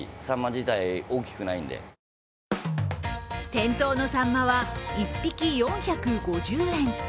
店頭のさんまは１匹４５０円。